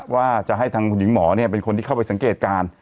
ว่าจะให้ทางคุณหญิงหมอเป็นคนที่เข้าไปสังเกตการณ์